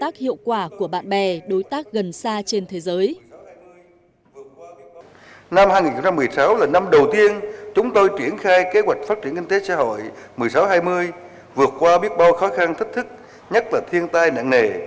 chúng tôi triển khai kế hoạch phát triển kinh tế xã hội một mươi sáu hai mươi vượt qua biết bao khó khăn thách thức nhất là thiên tai nạn nề